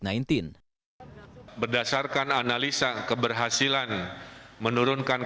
kepala pembangunan kabupaten dan kota